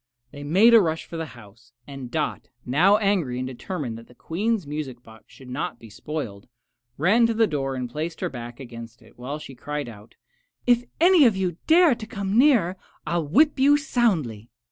They made a rush for the house, and Dot, now angry and determined that the Queen's music box should not be spoiled, ran to the door and placed her back against it, while she cried out, "If any of you dare to come nearer I will whip you soundly!"